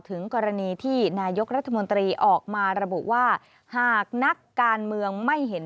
ถึงกรณีที่นายกรัฐมนตรีออกมาระบุว่าหากนักการเมืองไม่เห็น